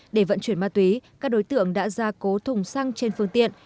để vận chuyển ma túy các đối tượng đã ra cố thùng xăng trên phương tiện